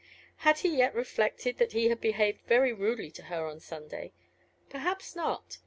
Had he yet reflected that he had behaved very rudely to her on Sunday? Perhaps not.